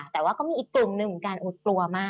แต่ว่าก็มีอีกกลุ่มหนึ่งเหมือนกัน